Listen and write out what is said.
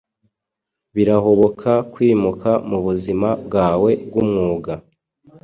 birahoboka kwimuka mubuzima bwawe bwumwuga